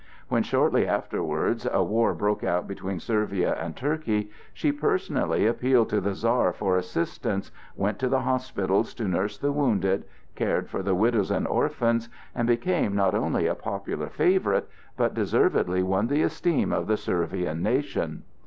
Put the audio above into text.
When shortly afterwards a war broke out between Servia and Turkey, she personally appealed to the Czar for assistance, went to the hospitals to nurse the wounded, cared for the widows and orphans, and became not only a popular favorite, but deservedly won the esteem of the Servian nation.